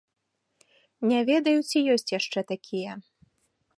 Не ведаю, ці ёсць яшчэ такія.